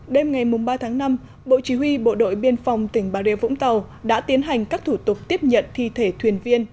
đêm ngày ba tháng năm bộ chỉ huy bộ đội biên phòng tỉnh bà rịa vũng tàu đã tiến hành các thủ tục tiếp nhận thi thể thuyền viên